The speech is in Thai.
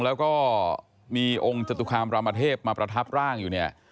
แล้วก็มีองค์จตุคามรามเทพมาประทับร่างอยู่เนี่ย